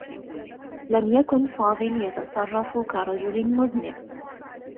لم يكن فاضل يتصرّف كرجل مذنب.